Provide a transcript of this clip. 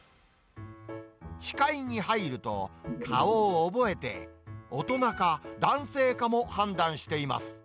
視界に入ると、顔を覚えて、大人か、男性かも判断しています。